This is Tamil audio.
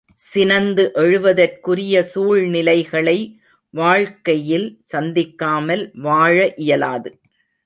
சினந்து எழுவதற்குரிய சூழ்நிலைகளை வாழ்க்கையில் சந்திக்காமல் வாழ இயலாது.